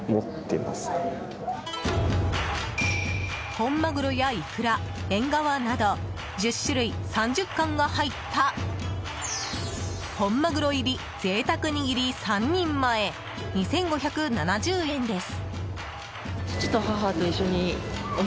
本マグロやイクラエンガワなど１０種類３０貫が入った本鮪入り贅沢握り３人前２５７０円です。